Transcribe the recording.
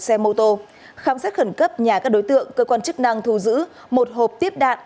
sau đó khám xét khẩn cấp nhà các đối tượng cơ quan chức năng thu giữ một hộp tiếp đạn